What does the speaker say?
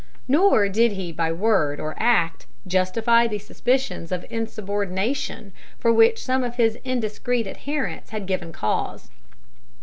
Nor did he by word or act justify the suspicions of insubordination for which some of his indiscreet adherents had given cause.